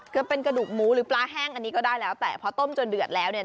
คือเป็นกระดูกหมูหรือปลาแห้งอันนี้ก็ได้แล้วแต่พอต้มจนเดือดแล้ว